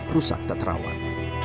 rusak tak terawat